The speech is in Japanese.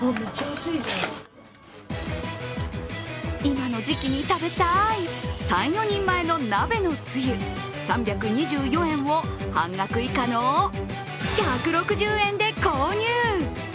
今の時期に食べたい３４人前の鍋のつゆ、３２４円を半額以下の１６０円で購入。